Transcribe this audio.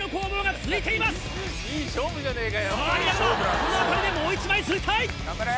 この辺りでもう１枚釣りたい！